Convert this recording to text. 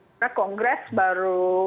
karena kongres baru